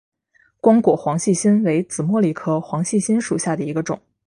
光果黄细心为紫茉莉科黄细心属下的一个种。